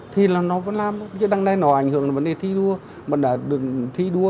thì là nó vẫn làm chứ đang đây nó ảnh hưởng đến vấn đề thi đua